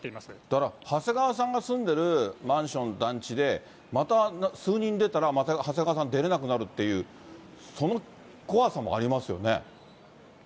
だから、長谷川さんが住んでるマンション、団地で、また数人出たら、また長谷川さん、出れなくなるっていう、その怖さもありますよね？